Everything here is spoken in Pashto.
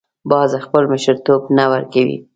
باز خپل مشرتوب نه ورکوي